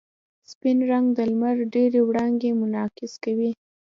سپین رنګ د لمر ډېرې وړانګې منعکس کوي.